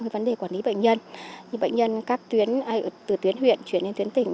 vấn đề quản lý bệnh nhân như bệnh nhân các tuyến từ tuyến huyện chuyển lên tuyến tỉnh